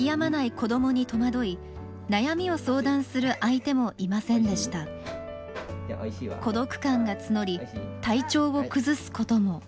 孤独感が募り体調を崩すことも。